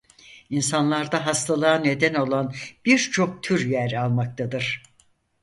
İnsanlarda hastalığa neden olan birçok tür yer almaktadır.